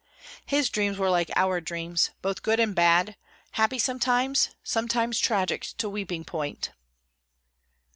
His dreams were like our dreams, both good and bad; happy sometimes, sometimes tragic to weeping point.